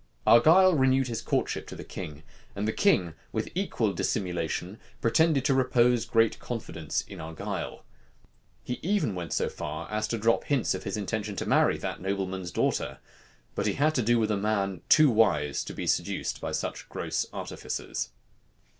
Argyle renewed his courtship to the king; and the king, with equal dissimulation, pretended to repose great confidence in Argyle. He even went so far as to drop hints of his intention to marry that nobleman's daughter; but he had to do with a man too wise to be seduced by such gross artifices.